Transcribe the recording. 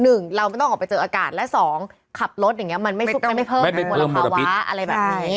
หนึ่งเราไม่ต้องออกไปเจออากาศและสองขับรถอย่างเงี้มันไม่เพิ่มมลภาวะอะไรแบบนี้